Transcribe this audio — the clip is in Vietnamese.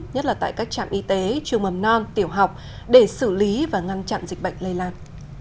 nhất là tại các trạm y tế trường mầm non tiểu học để xử lý và ngăn chặn dịch bệnh lây lan